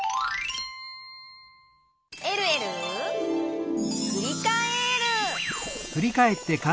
「えるえるふりかえる」